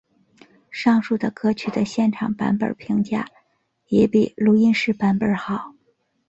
上述的歌曲的现场版本评价也比录音室版本好。